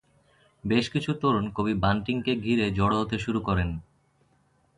বেশ কিছু তরুণ কবি বান্টিংকে ঘিরে জড়ো হতে শুরু করে।